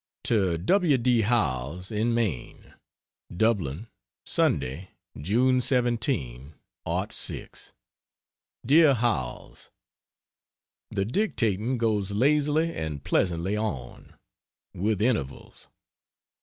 To W. D. Howells, in Maine: DUBLIN, Sunday, June 17, '06. DEAR HOWELLS, ..... The dictating goes lazily and pleasantly on. With intervals.